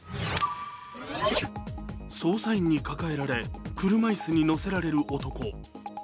捜査員に囲まれ、車椅子に乗せられる男。